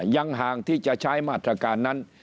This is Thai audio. ยังห่างที่จะใช้มาตรการนั้น